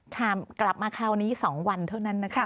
ค่ะกลับมาค่ะวันนี้๒วันเท่านั้นนะคะ